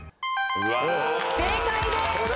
正解です！